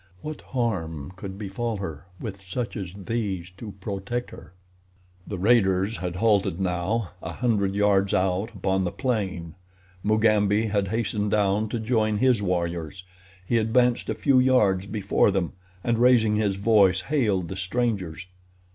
What harm could befall her with such as these to protect her? The raiders had halted now, a hundred yards out upon the plain. Mugambi had hastened down to join his warriors. He advanced a few yards before them and raising his voice hailed the strangers.